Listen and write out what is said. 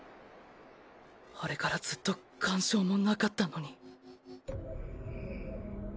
あれからずっと干渉もなかったのに